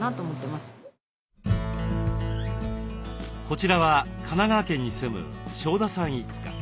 こちらは神奈川県に住む庄田さん一家。